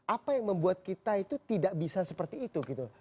apa yang membuat kita itu tidak bisa seperti itu gitu